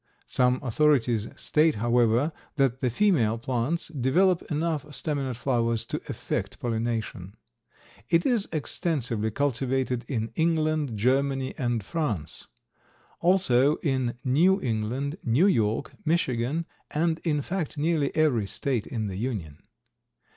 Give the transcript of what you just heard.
Some authorities state, however, that the female plants develop enough staminate flowers to effect pollination. It is extensively cultivated in England, Germany and France. Also in New England, New York, Michigan, and in fact nearly every State in the Union.